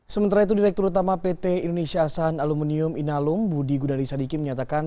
sementara itu direktur utama pt indonesia asan aluminium inalum budi gunadisadikin menyatakan